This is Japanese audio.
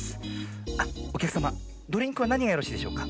あっおきゃくさまドリンクはなにがよろしいでしょうか？